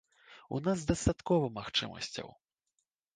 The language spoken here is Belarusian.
У нас дастаткова магчымасцяў.